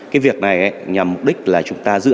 cái việc này nhằm mục đích là chúng ta giữ